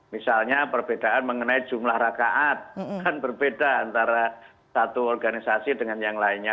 misalnya perbedaan mengenai jumlah rakaat kan berbeda antara satu organisasi dengan yang lainnya